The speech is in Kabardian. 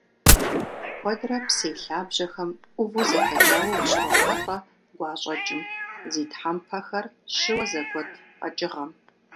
Куэдрэ псей лъабжьэхэм Ӏуву зэхэкӀауэ ущрохьэлӀэ гуащӀэкӀым - зи тхьэмпэхэр щыуэ зэгуэт къэкӀыгъэм.